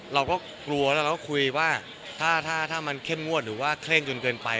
เราก็กลัวแล้วเราก็คุยว่าถ้ามันเข้มงวดหรือว่าเคร่งจนเกินไป